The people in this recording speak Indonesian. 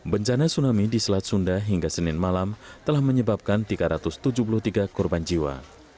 bencana tsunami di selat sunda hingga senin malam telah menyebabkan tiga ratus tujuh puluh tiga korban jiwa